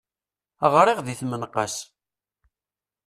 Γriɣ di tmenqas.